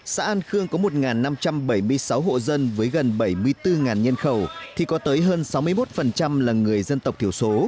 xã an khương có một năm trăm bảy mươi sáu hộ dân với gần bảy mươi bốn nhân khẩu thì có tới hơn sáu mươi một là người dân tộc thiểu số